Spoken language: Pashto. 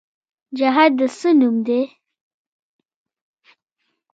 جهاد د څه نوم دی؟